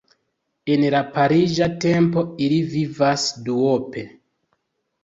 En la pariĝa tempo ili vivas duope.